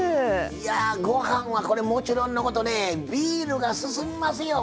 いやご飯はこれもちろんのことねビールが進みますよ